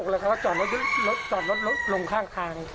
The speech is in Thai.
แล้วคอสตรอรถรถลงข้าง